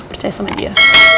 aku percaya sama dia